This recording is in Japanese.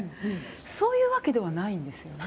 そういうわけではないんですよね？